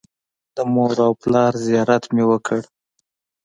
د مور او پلار زیارت مې وکړ.